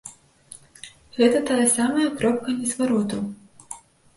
Гэта тая самая кропка незвароту.